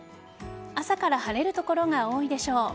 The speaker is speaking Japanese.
朝から晴れる所が多いでしょう。